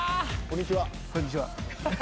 こんにちは。